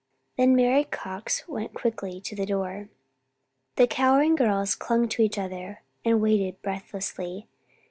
Then Mary Cox went quickly to the door. The cowering girls clung to each other and waited breathlessly.